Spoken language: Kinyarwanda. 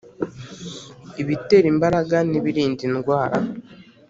ibitera imbaraga n’ibirinda indwara.